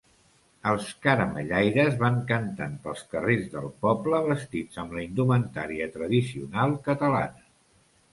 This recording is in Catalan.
Els caramellaires van cantant pels carrers del poble vestits amb la indumentària tradicional catalana.